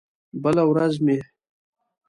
بله ورځ مې